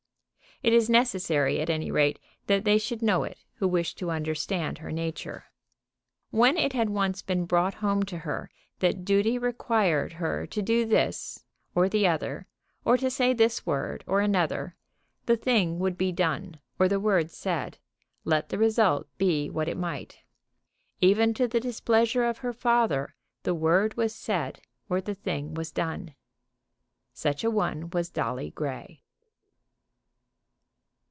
It is necessary, at any rate, that they should know it who wish to understand her nature. When it had once been brought home to her that duty required her to do this thing or the other, or to say this word or another, the thing would be done or the word said, let the result be what it might. Even to the displeasure of her father the word was said or the thing was done. Such a one was Dolly Grey.